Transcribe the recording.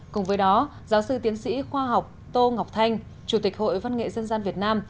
cùng với đó giáo sư tiến sĩ khoa học tô ngọc thanh chủ tịch hội văn nghệ dân gian việt nam